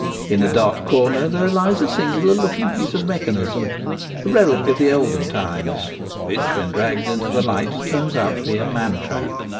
In a dark corner there lies a singular looking piece of mechanism, a relic of the olden times, which when dragged into the light turns out to be a man trap.